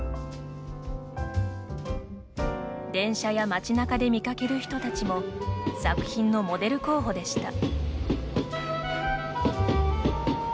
電車や町なかで見かける人たちも作品のモデル候補でした。